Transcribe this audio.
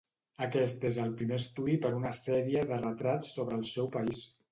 Aquest és el primer estudi per una sèrie de retrats sobre el seu país.